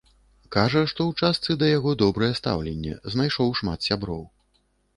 Кажа, што ў частцы да яго добрае стаўленне, знайшоў шмат сяброў.